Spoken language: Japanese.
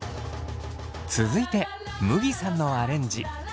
続いてむぎさんのアレンジ。